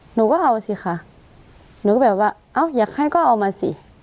หนูก็เอาสิค่ะหนูก็แบบว่าเอ้าอยากให้ก็เอามาสิ